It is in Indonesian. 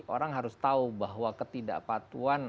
orang harus tahu bahwa ketidakpatuan